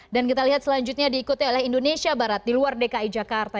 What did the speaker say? dan kita lihat selanjutnya diikuti oleh indonesia barat di luar dki jakarta